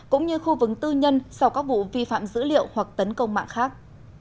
cũng như khu vực tư nhân sau các vụ vi phạm dữ liệu hoặc tấn công mạng khác